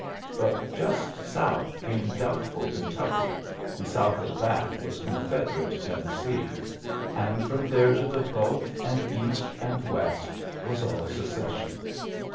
But just south camedoxri Kentucky, and south of that was Octm erate Tennessee j and from there to t Gulf and east and west was all Seo sion.